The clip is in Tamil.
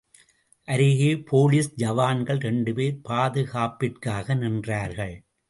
அருகே போலீஸ் ஜவான்கள் இரண்டு பேர் பாதுகாப்பிற்காக நின்றார்கள்.